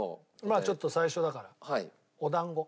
まあちょっと最初だからお団子。